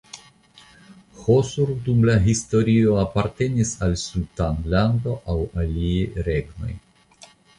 Hosur dum la historio apartenis al sultanlando aŭ aliaj regnoj.